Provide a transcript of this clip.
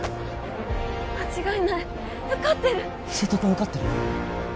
間違いない受かってる瀬戸君受かってるよ